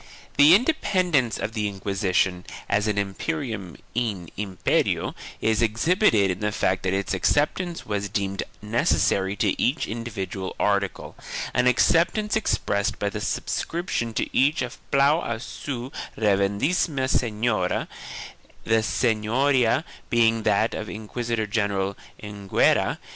The independence of the Inquisition, as an imperium in imperio, is exhibited in the fact that its acceptance was deemed necessary to each individual article, an acceptance expressed by the sub scription to each of Plan a su Reverendissima senyoria, the sen yoria being that of Inquisitor general Enguera.